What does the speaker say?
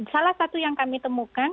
salah satu yang kami temukan